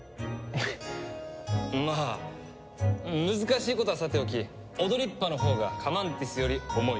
まあ難しいことはさておきオドリッパのほうがカマンティスより重い。